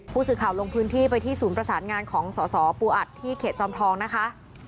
ผู้สื่อข่าวลงพื้นที่ไปที่ศูนย์ประสานงานของสสปูอัดที่เขตจอมทองนะคะ